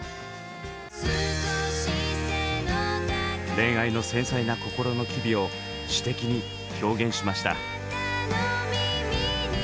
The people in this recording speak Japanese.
恋愛の繊細な心の機微を詩的に表現しました。